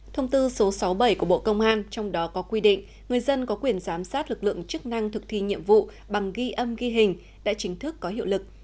thông tư số sáu mươi bảy của bộ công an trong đó có quy định người dân có quyền giám sát lực lượng chức năng thực thi nhiệm vụ bằng ghi âm ghi hình đã chính thức có hiệu lực